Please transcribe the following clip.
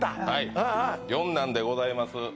はい４男でございます